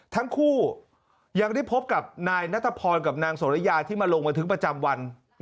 ทั้งคู่ยังได้พบกับนายนัทพรกับนางโสริยาที่มาลงบันทึกประจำวัน